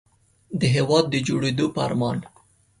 د هېواد د جوړېدو په ارمان.